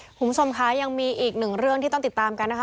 คุณผู้ชมคะยังมีอีกหนึ่งเรื่องที่ต้องติดตามกันนะคะ